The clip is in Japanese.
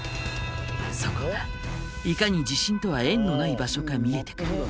そこがいかに地震とは縁のない場所か見えてくる。